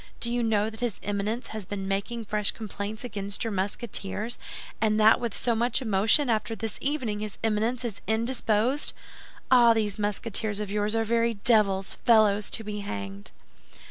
Do you know that his Eminence has been making fresh complaints against your Musketeers, and that with so much emotion, that this evening his Eminence is indisposed? Ah, these Musketeers of yours are very devils—fellows to be hanged."